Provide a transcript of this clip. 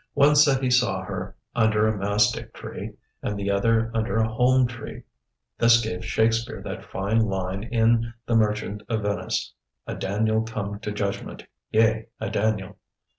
One said he saw her under a mastick tree and the other under a holm tree. This gave Shakespeare that fine line in The Merchant of Venice, "A Daniel come to judgment; yea, a Daniel."